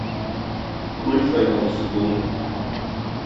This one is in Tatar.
Күл шайтансыз булмый.